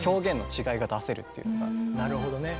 なるほどね。